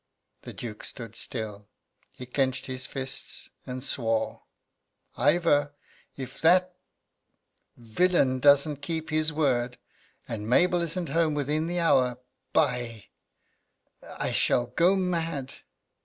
The Duke stood still. He clenched his fists, and swore: "Ivor, if that villain doesn't keep his word, and Mabel isn't home within the hour, by I shall go mad!"